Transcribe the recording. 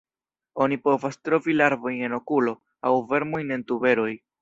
Oni povas trovi larvojn en okulo, aŭ vermojn en tuberoj.